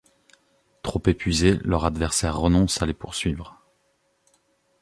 Trop épuisés, leurs adversaires renoncent à les poursuivre.